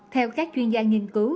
theo các chuyên gia nghiên cứu